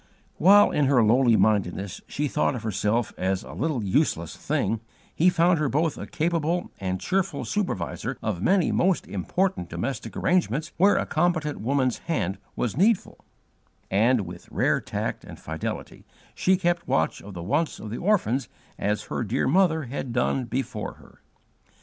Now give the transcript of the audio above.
While, in her lowly mindedness, she thought of herself as a 'little useless thing,' he found her both a capable and cheerful supervisor of many most important domestic arrangements where a competent woman's hand was needful: and, with rare tact and fidelity, she kept watch of the wants of the orphans as her dear mother had done before her.